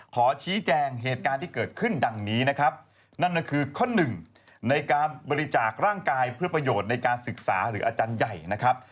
ขอชี้แจงเหตุการณ์ที่เกิดขึ้นดังนี้นะครับนั่นก็คือข้อหนึ่งในการบริจาคร่างกายเพื่อประโยชน์ในการศึกษาหรืออาจารย์ใหญ่นะครับ